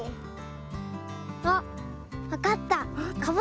あっわかった！